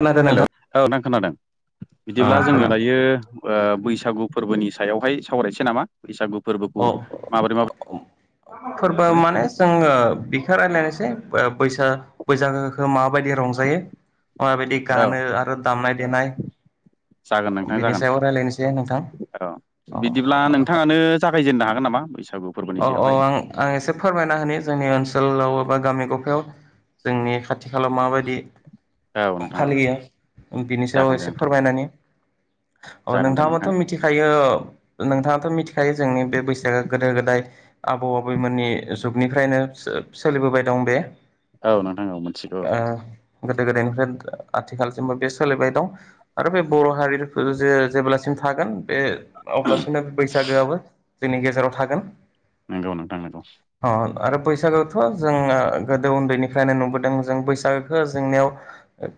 खोनादों हेल' नोंथां औ नों खोनादों अ बिदिब्ला जोङो दायो खोनादों बैसागु ओ फोरबोनिा सायावहाय सावरायसै नामा बैसागु फोरबोखौ अ माबोरै फोरबो माबोरै माने जोङो बिखा राय्लायनो बा बैसागोखौ माबायदि रंजायो माबायदि औ गानो आरो दामनाय देनाय जागोन नोंथां बिनि जागोन सायाव रायज्लायनोसै नोंथां औ अ बिदिब्ला नोंथाङानो जागायजेननो हागोन नामा बैस अ' अ' आं आं एसे फोरमायना होनि जोंनि ओनसोल ओनसोलाव बा गामि गफायाव जोंनि खाथि खालाव माबायदि औ ओम नोंथां औ फालियो उम बिनि सायाव जागोन दे एसे नोंथां फोरमायनानै अ' जागोन दे नोंथां नोंथाङाबोथ' मिथिखायो नोंथाङाथ' मिथिखायो जोंनि बे बैसागो गोदो गोदाय आबौ आबैमोननि जुगनिफ्रायनो सोरथ सोलिबोबाय दं बे। औ नोंथां औ मोनथिगौ। ओ गोदो गोदायनिफ्राय आथिखालसिमबो बे सोलिबाय दं आरो बे बर' हारि जे जेब्लासिम थागोन बे अब्लासिना बैसागोआबो जोंनि गेजेराव थागोन। नंगौ नोंथां नंगौ। अ आरो बैसागोथ' जों गोदो उन्दैनिफ्रायनो नुबोदों जों बैसागखो जोंनियाव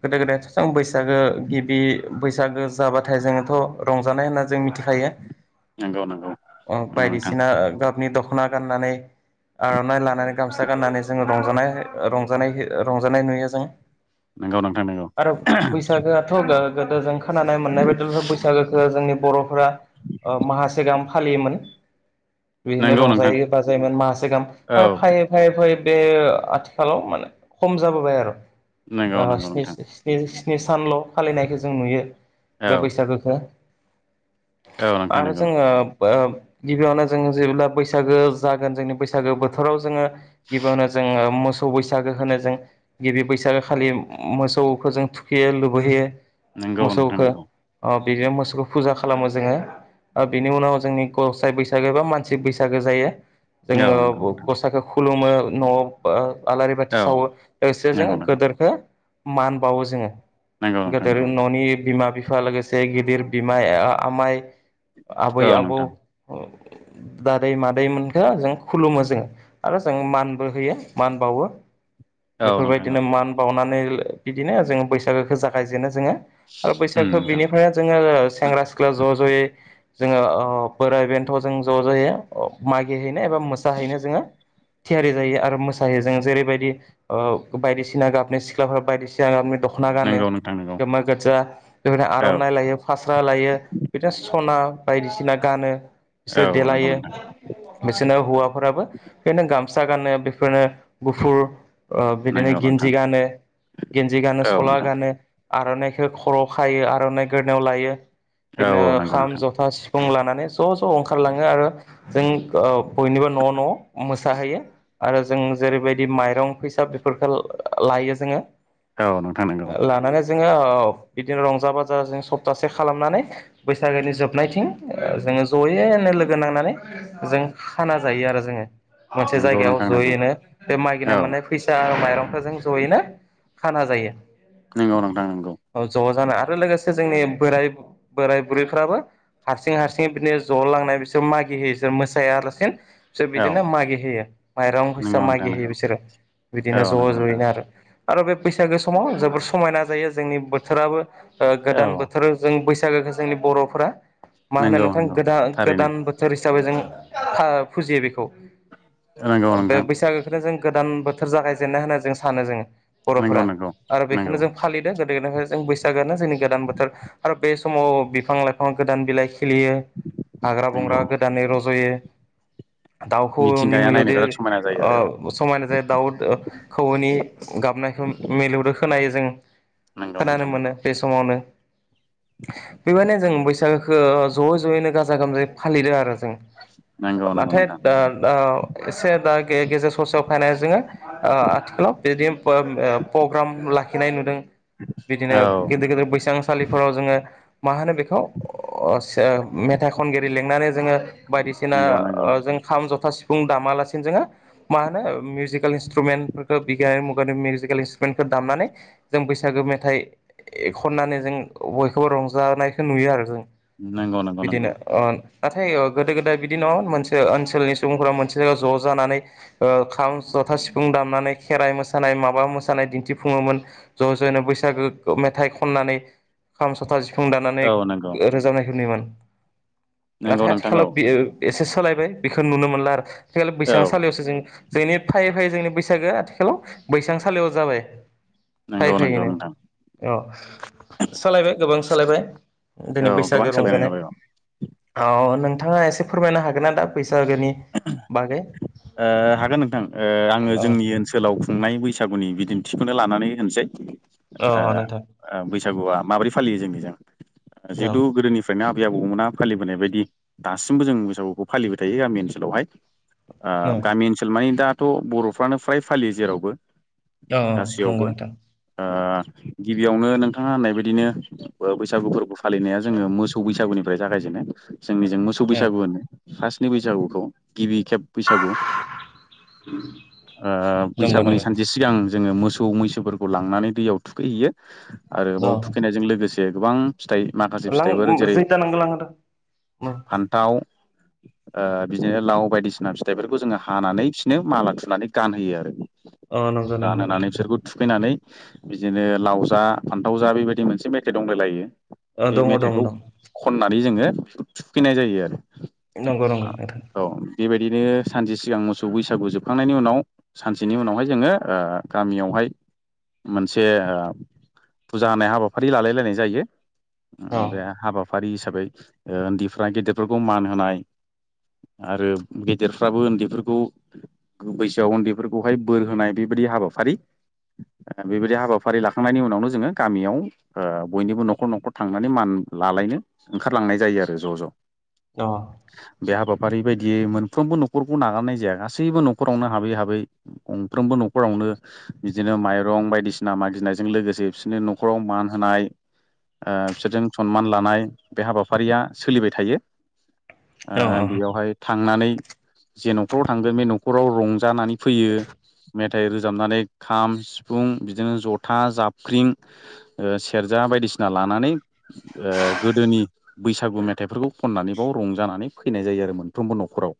गोदो गोदायथ' जों बैसागो गिबि बैसागो जाबाथाय जोङोथ' रंजानाय होनना जों मिथि थायो नंगौ नंगौ औ नंगौ नोंथां बायदिसिना ओ दख'ना गाननानै आर'नाइ लानानै गामसा गाननानै जोङो रंजानाय रंजानाय इयो रंजानाय नुयो जों। आरो बैसागोआथ' ओ गोदो जों खोनानाय मोननाय बायदि बैसागोखो जोंनि बर'फोरा माहासेगां फालियोमोन। बिदिनो नंगौ नोंथां रंजायै बाजायोमोन माहासे गाहाम फायै फायै फै बे ओ आथिखालाव माने खम जाबोबाय आर' नंगौ नंगौ नोंथां औ नंगौ ओ स्नि नोंथां स्नि स्नि स्नि सानल' फालिनायखो जों नुयो बे औ बैसागोखो। औ नोंथां आरो नंगौ जोङो ओ गिबियावनो जों जेब्ला बैसागो जागोन जोंनि बैसागो बोथोराव जोङो गिबियावनो जों ओ मोसौ बैसागो होनो जों गिबि बैसागो खालि मोसौखो जों थुखैयो लुबैहैयो नोंगौ नोंथां नंगौ। बिजों मोसौखौ फुजा खालामो जोङो ओ बिनि उनाव जोंनि गसाइ बैसागो एबा मानसि जि बैसागो जायो जोङो औ नंगौ नोंथां गसाखौ खुलुमो न'आव बा आलारि बाथि औ सावो लोगोसे जोङो नंगौ नंगौ गोदोरखो मान बावो जोङो। नंगौ नोंथां गेदेर नंगौ न'नि बिमा बिफा लोगोसे गिदिर बिमाया आमाय औ आबै आबौ नोंथां उम। दादै मादैमोनखो जों खुलुमो जों आरो जों मानबो होयो मान बावो। औ नोंथां औ बेफोरबायदिनो मान बावनानै बिदिनो जोङो बैसागोखो जागायजेनो। जोङो आरो उम बैसागो नोंथां बिनिफ्रायानो जोङो सेंग्रा सिख्ला ज' ज'यै जोङो ओ बोराय बेन्थ' जों ज' ज'यै मागिहैनो एबा मोसाहैनो जोङो थियारि जायो आरो मोसायो जों जेरैबायदि ओ बायदिसिना गाबनि सिख्लाफोरा बायदिसियाना दख' नंगौ नोंथां नंगौ [unintelligible] गोमो गोजा बेबादिनो औ आर'नाइ लायो फास्रा लायो बिदिनो सना बायदिसिना गानो बिसोर औ नंगौ देलायो नोंथां बिसोरनो हौवाफोराबो बेनो गामसा गानो बेफोरनो गुफुर ओ बिदिनो नंगौ नोंथां गेन्जि गानो गेन्जि गानो औ सला नोंथां गानो। आर'नाइखो खर'आव खायो आर'नाइखो गोदनायाव लायो औ बिदिनो औ नंगौ खाम नोंथां जथा सि फुं लानानै ज' ज' ओंखारलाङो आरो जों ओ बयनिबो न' न' मोसाहोयो आरो जों जेरैबायदि माइरं फैसा बेफोरखौ ला लायो जोङो। औ नोंथां नंगौ लानानै जोङो औ बिदिनो रंजा बाजा जों सप्तासे खालामनानै बैसागोनि जोबनायथिं ओ जोङो ज'यैनो लोगो नांनानै जों खाना जायो आरो जोङो। मोनसे नंगौ जायगायाव नोंथां नंगौ जयैनो बे मागिना औ मोननाय फैसा मायाव दावखोजों ज'यैनो खाना जायो। नंगौ नोंथां नंगौ औ ज' जाना आरो लोगोसे जोंनि बोराय- बोराय बुरैफ्राबो हारसिं हारसिं बिदिनो ज' लांनाय बिसोर मागि होयो बिसोर मोसायालासिनो बिसोर औ बिदिनो मागि होयो माइरं फैसा नंगौ मागि नोंथां होयो नंगौ बिसोरो बिदिनो औ ज' नंगौ नोंथां ज'यैनो आरो। आरो बे बैसागो समाव जोबोर समायना जायो जोंनि बोथोराबो ओ औ गोदान बोथोरजों बैस सागोखो जोंनि बर'फोरा नोंगौ नोंगौ दा गोदान बोथोर हिसाबै जों फा फुजियो बेखौ। नंगौ बे नोंथां बैसागोखोनो जों गोदान बोथोर जागायजेननाय होनना जों सानो जोङो। नंगौ बर'फोरा नंगौ आरो नंगौ बेखोनो जों फालिदों गोदोनोहो जों बैसागोआनो जोंनि गोदान बोथोर आरो बे समाव बिफां लाइफां गोदान बिलाइ खिलियो। हाग्रा बंग्रा नंगौ गोदानै रज'यो। दाउ खौवौनि मिथिंगाया नायनो मिलौदो बिराद समायना जायो आरो औ ओ समायना जायो दाउ ओ खौवौनि गाब नायखौ मिलौदो खोनायो जों नंगौ खोनानो नोंथां मोनो नंगौ बे समावनो बेबायनो जों बैसागोखो ज'यै ज'यैनो गाजा गोमजायै फालिदों आरो। जोङो नंगौ नंगौ नाथाय नोंथां [unintelligible] एसे दा गे-गेजेर ससेयाव फायनाय जोङो ओ आथिखालाव बिदिम पोम ओ पग्राम लाखिनाय नुदों। बिदिनो औ गेदेर गेदेर बैसांसालिफोराव जोङो मा होनो बेखौ अ सो मेथाइ खनगिरि लिंनानै जोङो बायदिसिना नंगौ नंगौ अ जों खाम जथा सि फुं दामालासि जोङो मा होनो मिउजिकेल इन्स्ट्रुमेन्टफोरखो बिगियानारि मुगानि मिउजिकेल इन्स्ट्रुमेन्टफोर दामनानै जों बैसागो मेथाइ खननानै जों बयखौबो रंजानायखो नुयो आरो जों। नोंगौनाम‌ बिदिनो ओ नाथाय ओ गोदो गोदाय बिदि नङामोन मोनसे ओनसोलनि सुबुंफोरा मोनसे जायगायाव ज' जानानै ओ खाम ज ' था सिफुं दामनानै खेराइ मोसानाय माबा मोसानाय दिन्थिफुङोमोन ज' ज'नो बैसागो मेथाइ थाइ खननानै खाम जथा सिफुं दानानै औ नंगौ रोजाबनायखौ नुयोमोन। नंगौ नाथाय नोंथां औ आथिखालाव बे एसे सोलायबाय बेखो नुनो मोनला आरो खेल बैसां औ सालियावसो जों जोंनि फायै फायै जोंनि बैसागोआ आथिखालाव बैसां सालियाव जाबाय। नंगौ नंगौ नोंथां। औ सोलायबाय गोबां सोलायबाय औ दिनै गोबां बैसागो सोलायनाय रंजानाय। नुबाय औ अ नोंथाङा एसे फोरमायनो हागोनना दा बैसागोनि बागै ओ हागोन नोंथां ओ आङो औ जोंनि ओनसोलाव खुंनाय बैसागुनि बिदिन्थिखौनो लानानै होनसै औ ओ औ नोंथां ओ बैसागुआ माबोरै फालियो जोंनिजों औ जिहेतु गोदोनिफ्रायनो आ बै आबौमोना फालिबोनाय बायदि दासिमबो जों बैसागुखौ फालिबाय थायो गामि ओनसोलावहाय। ओ औ गामि ओनसोल माने दाथ' बर'फ्रानो फ्राय फालियो जेरावबो। औ नंगौ गासैयावबो नोंथां ओ गिबियावनो नोंथाङा होननाय बायदिनो ओ बैसागु फोरबो फालिनाया जोङो मोसौ बैसागुनिफ्राय जागायजे [unintelligible] जोंनिजों मोसौ औ बैसागु होनो फासनि बैसागुखौ गिबि खेब बैसागु ओ नंगौ बैसागुनि नंगौ सानसे सिगां जोङो मोसौ मैसोफोरखौ लांनानै दैयाव थुखैहैयो आरो बाव औ थुखैनायजों लोगोसे गोबां फिथाइ माखासे लां फिथाइफोर जेरै जैथा नांगौ लांहोदो फान्ताव ओ बिदिनो लाव बायदिसिना फिथाइफोरखौ जोङो हानानै बिसिनो माला थुनानै गानहोयो आरो। अ नंगौ नंगौ गानहोनानै नोंथां बिसोरखौ थुखैनानै बिदिनो लाव जा फान्थाव जा बेबायदि मोनसे मेथाइ दंलायलायो। अ बे दङ दङ मेथाइखौ दं खननानै जोङो थुखैनाय जायो आरो। नंगौ नंगौ नोंथां। औ बेबायदिनो सानसे सिगां मोसौ बैसागु जोबखांनायनि उनाव सानसेनि उनावहाय जोङो ओ गामियावहाय। मोनसे फुजा होनाय हाबाफारि लालायलायनाय जायो बे अ हाबाफारि हिसा बै उन्दैफ्रा गेदेरफोरखौ मान होनाय आरो गेदेर फोराबो उन्दैफोरखौ बैसोआव उन्दैफोरखौहाय बोर होनाय बेबायदि हाबाफारि बेबायदि हाबाफारि लाखांनायनि उनावनो जोङो गामियाव बयनिबो न'खर न'खर थांनानै मान लालायनो ओंखारलांनाय जायो आरो ज' ज'। अ बे हाबाफारि बायदियै मोनफ्रोमबो न खरखौ नागारनाय जाया गासैबो न'खरावनो हाबै हाबै गंफ्रोमबो न'खरावनो बिदिनो माइरं दं बायदिसिना मागिनायजों लोगोसे बिसोरनो न'खराव मान होनाय बिसोरजों सनमान लानाय बे हाबाफारिया सोलिबाय थायो। अ बेयावहाय थांनानै जे न'खराव थांगोन बे न'खराव रंजानानै फैयो मेथाइ रोजाबनानै खाम, सिफुं, बिदिनो जथा, जाबख्रिं, सेर जा बायदिसिना लानानै गोदोनि बैसागु मेथाइफोरखौ खननानै बाव रंजानानै फैनाय जायो आरो मोनफ्रबो न'खराव।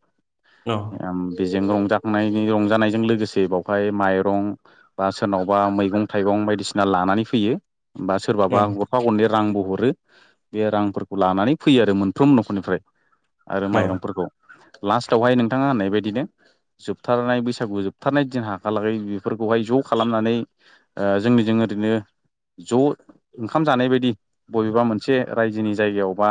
औ [unintelligible] रंजाखांनायनि रंजानायजों लोगोसे बावहाय माइरं बा सोरनावबा मैगं थायगं बायदिसिना लानानै फैयो बा सोरबा बा गरफा गरनै रांबो हरो बे रांफोरखौ लानानै फैयो आरो मोनफ्रोम न'खरनिफ्राय आरो औ माइरंफोरखौ। लास्ट आवहाय नोंथाङा होननाय बादिनो जोबथारनाय बैसागु जोबथारनाय दिन हालागै बेफोरखौहाय ज' खालाम [unintelligible] जोंनिजों ओरैनो ज' ओंखाम जानाय बायदि बबेबा मोनसे रायजोनि जायगायाव बा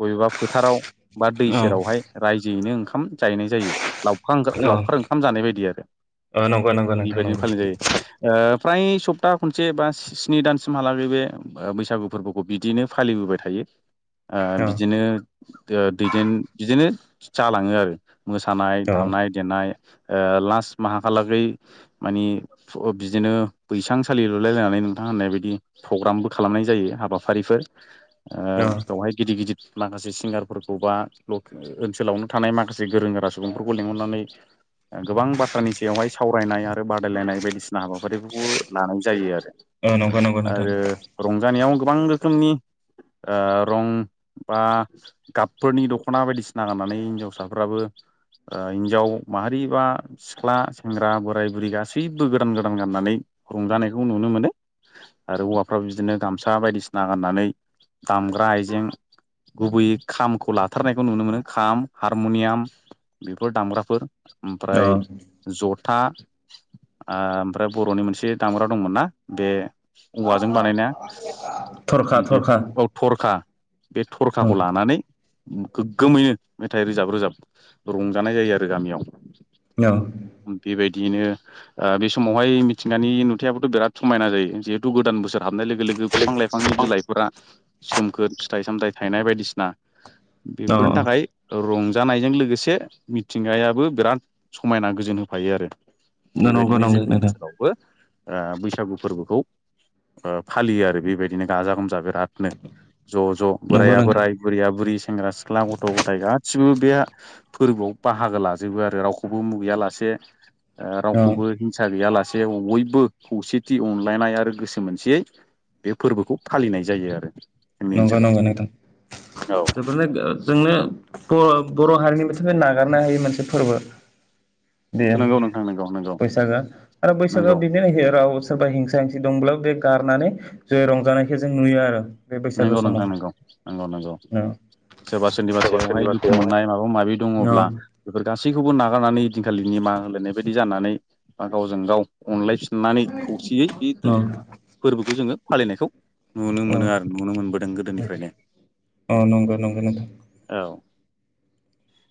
बबेबा फोथाराव बा दै औ सेरावहाय रायजोयैनो ओंखाम जाहैनाय जायो लावखार ओं औ लावखार ओंखाम जानाय बायदि आरो औ नंगौ नंगौ नोंथां बेबायदिनो नंगौ फालिनाय जायो। फ्राय सप्ता खनसे बा स्नि दानसिमहालागै बे बैसागु फोरबोखौ बिदियैनो फालिबोबाय थायो। ओ औ बिदिनो दैदेन बिदिनो जालाङो आरो। मोसानाय, औ दामनाय, देनाय ओ लास्ट माहालागै मानि बिदिनो बैसां सालि लुलायलायनानै नोंथा ङा होननाय बायदि प्रग्रामबो खालामनाय जायो हाबाफारिफोर ओ औ बेवहाय गिदिर गिदिर माखासे सिंगारफोरखौ बा ओनसोलावनो थानाय माखा से गोरों गोरा सुबुंफोरखौ लिंहरनानै गोबां बाथ्रानि सायावहाय सावरायनाय आरो बादायलायनाय बायदिसिना हाबाफारिफोरखौबो लानाय जायो आरो। औ नंगौ नंगौ नोंथां आरो रंजानायाव गोबां रोखोमनि ओ रं बा गाबफोरनि दख'ना बायदिसिना गाननानै हिनजावसा [unintelligible] हिनजाव माहारि बा सिख्ला सेंग्रा बोराय बुरै गासैबो गोदान गोदान गाननानै रंजानायखौ नुनो मोनो आरो हौवाफ्राबो बिदिनो गामसा बायदिसिना गाननानै दामग्रा आइजें गुबैयै खामखौ लाथारनायखौ नुनो मोनो खाम हा रमुनियाम बेफोर दामग्राफोर औ ओमफ्राय ज था ओमफ्राय बर'नि मोनसे दामग्रा दंमोन ना बे औवाजों बानायनाया? थरखा बे थरखा थरखा बे औ थरखाखौ लानानै गोग्गोमैनो मेथाइ रोजाब रोजाब रंजानाय जायो आरो गामियाव। औ बेबाय दियैनो बे समावहाय मिथिंगानि नुथायाबोथ' बिराद समायना जायो जिहेथु गोदान बोसोराव हाबनाय लोगो लोगो बिफां लाइफांनि बिलाइफोरा सोमखोर फिथाइ सामथाइ थायनाय बायदिसिना औ बेफोरनि थाखाय रंजानायजों लोगोसे मिथिंगायाबो बिराद समायना गोजोन होफायो आरो। नंगौ बेबायदिनो नंगौ जोंनि नोंथां ओनसोलावबो ओ बैसागु फोरबोखौ ओ फालियो आरो बेबायदिनो गाजा गोमजा बे दाथनो ज' ज' नंगौ बोराइया नोंथां बोराय बुरैया बुरै सेंग्रा सिख्ला गथ'-गथाय गासिबो बे फोरबोआव बाहागो लाजोबो आरो रावखौबो मुगैया लासे औ रावखौबो हिंसा गैयालासे बयबो खौसेथि अनलायनाय आरो गोसो मोनसेयै बे फोरबोखौ फालिनाय जायो आरो जोंनि नंगौ ओनसोलाव नंगौ नोंथां जोबोरनो जोंनो बर बर' हारिनि नागारनो हायि मोनसे फोरबो बे औ नंगौ नोंथां नंगौ नंगौ बैसागआ आरो बैसागआ नंगौ बिदिनो राव सोरबा हिंसा हिसा दंब्लाबो बे गारनानै ज रंजानायखौ जों नुयो आरो बे बैसागो नंगौ समाव नोंथां नंगौ नंगौ नंगौ औ सोरबा सोरनिबा सोरबा सायावहाय सोरनिबा दुखु सायावहाय मोननाय माबा माबि औ दङब्ला बेफोर गासैबो गासैखौबो नागारनानै बेदिनखालि निमा होलायनाय बायदि जानानै बा गावजों गाव अनलाय नानै खौसेयै बे औ फोरबोखौ जोङो फालिनायखौ नुनो औ मोनो आरो नुनो मोनदों गोदोनिफ्रायनो अ नंगौ नंगौ नोंथां औ।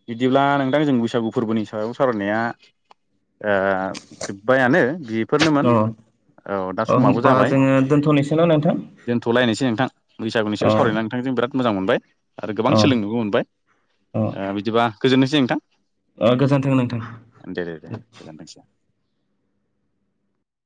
बिदिब्ला नोंथां जों बैसागु फोरबोनि सायाव सावरायनाया ओ जोबबायानो बि बेफोरनोमोन अ औ दा अ समाबो होमबा जाबाय जोङो दोनथ'नोसै न' नोंथां दोनथ'लायनोसै नोंथां बैसागुनि अ सायाव सावरायनानै नोंथांजों बिराद मोजां मोनबाय आरो गोबां अ सोलोंनोबो मोनबाय बिदिबा गोजोननोसै नोंथां अ गोजोनथों नोंथां दे दे दे गोजोनथोंसै